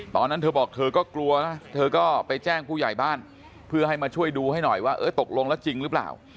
ตอนนั้นเธอบอกเธอก็กลัวนะเธอก็ไปแจ้งผู้ใหญ่บ้านเพื่อให้มาช่วยดูให้หน่อยว่าเออตกลงแล้วจริงหรือเปล่า